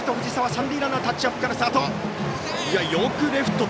三塁ランナータッチアップからスタート。